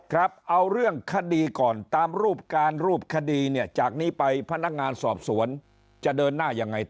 ครับเอาเรื่องคดีก่อนตามรูปการรูปคดีเนี่ยจากนี้ไปพนักงานสอบสวนจะเดินหน้ายังไงต่อ